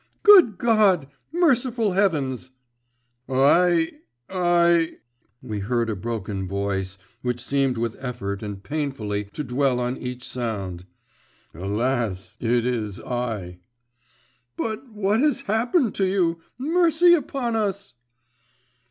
Good God! Merciful heavens!' 'I … I …' we heard a broken voice, which seemed with effort and painfully to dwell on each sound. 'Alas! It is I!' 'But what has happened to you? Mercy upon us!